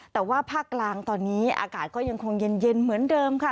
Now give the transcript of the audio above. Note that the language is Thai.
แต่ว่าภาคกลางตอนนี้อากาศก็ยังคงเย็นเหมือนเดิมค่ะ